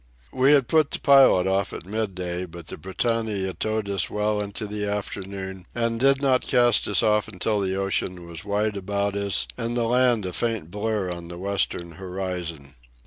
We had put the pilot off at midday, but the Britannia towed us well into the afternoon and did not cast us off until the ocean was wide about us and the land a faint blur on the western horizon.